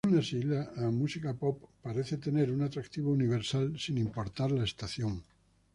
Aun así, la música "pop" parece tener un atractivo universal, sin importar la estación.